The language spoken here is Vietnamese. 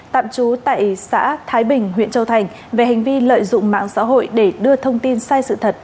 tạm trú tại xã thái bình huyện châu thành về hành vi lợi dụng mạng xã hội để đưa thông tin sai sự thật